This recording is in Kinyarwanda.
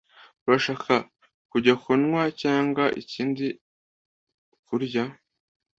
Urashaka kujya kunywa cyangwa ikindi kurya?